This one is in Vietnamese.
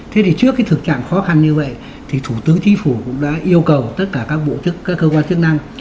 thế thì trước cái thực trạng khó khăn như vậy thì thủ tướng chí phủ cũng đã yêu cầu tất cả các cơ quan chức năng